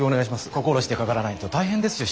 心してかからないと大変ですよ